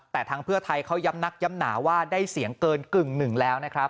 แต่ทางเพื่อไทยเขาย้ำนักย้ำหนาว่าได้เสียงเกินกึ่งหนึ่งแล้วนะครับ